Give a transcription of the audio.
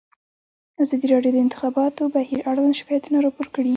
ازادي راډیو د د انتخاباتو بهیر اړوند شکایتونه راپور کړي.